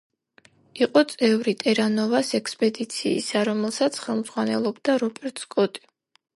იყო წევრი ტერა-ნოვას ექსპედიციისა, რომელსაც ხელმძღვანელობდა რობერტ სკოტი.